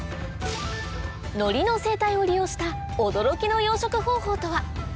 のりの生態を利用した驚きの養殖方法とは？